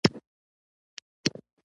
دا که یهودیان او عیسویان دي او که مسلمانان.